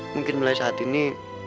mungkin mulai saat ini